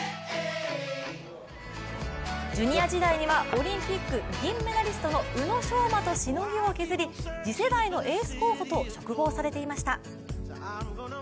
ジュニア時代には、オリンピック銀メダリストの宇野昌磨としのぎを削り次世代のエース候補と嘱望されていました。